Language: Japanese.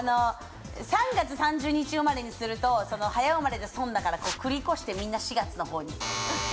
３月３０日生まれにすると早生まれで損だから繰り越してみんな４月に。